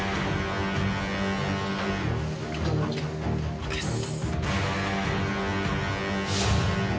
ＯＫっす。